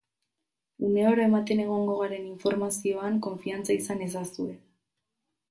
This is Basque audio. Uneoro ematen egongo garen informazioan konfiantza izan ezazue.